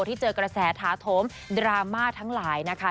ที่เจอกระแสถาโถมดราม่าทั้งหลายนะคะ